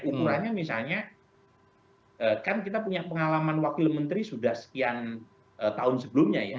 ukurannya misalnya kan kita punya pengalaman wakil menteri sudah sekian tahun sebelumnya ya